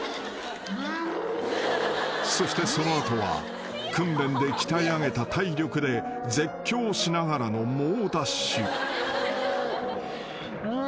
［そしてその後は訓練で鍛え上げた体力で絶叫しながらの猛ダッシュ］